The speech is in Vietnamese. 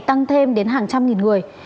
tăng thêm đến hàng trăm nghìn người